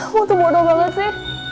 waktu bodoh banget sih